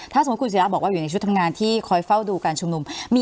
ถ้าสมมติคุณสีละบอกอยู่ในชุดทำงานที่เฝ้าตัวการชมนุม